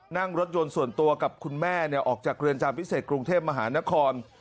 นั่งรถยนต์ส่วนตัวกับคุณแม่ออกจากเรือนจำพิเศษกรุงเทพมหานคร